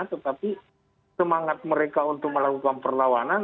tetapi semangat mereka untuk melakukan perlawanan